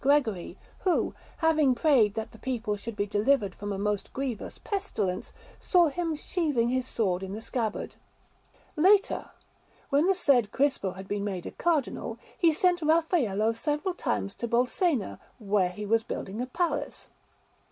Gregory, who, having prayed that the people should be delivered from a most grievous pestilence, saw him sheathing his sword in the scabbard. Later, when the said Crispo had been made a Cardinal, he sent Raffaello several times to Bolsena, where he was building a palace.